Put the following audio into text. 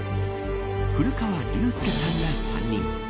古川龍裕さんら３人。